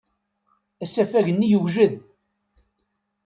Asafag-nni yewjed.